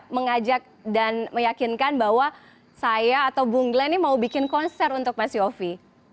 mengajak dan meyakinkan bahwa saya atau bung glenny mau bikin konser untuk mas yofi